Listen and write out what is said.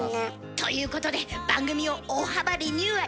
ということで番組を大幅リニューアル。